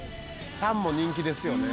タンも人気ですよね。